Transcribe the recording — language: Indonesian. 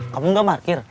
kamu nggak parkir